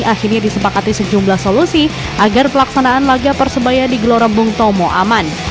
akhirnya disepakati sejumlah solusi agar pelaksanaan laga persebaya di gelora bung tomo aman